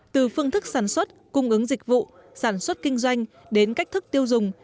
từ phương thức sản xuất cung ứng dịch vụ sản xuất kinh doanh đến cách thức tiêu dùng